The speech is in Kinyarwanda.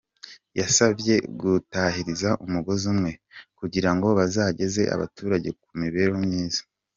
Yabasabye gutahiriza umugozi umwe, kugira ngo bazageze abaturage ku mibereho myiza.